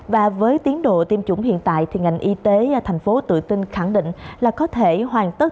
với tiến độ tiêm chủng hiện tại ngành y tế tp hcm tự tin khẳng định là có thể hoàn tất